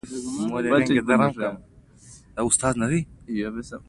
یوازې مې د هغې جسد ته کتل چې ترڅنګ مې پروت و